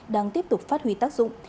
đang tiếp tục phát huy tác dụng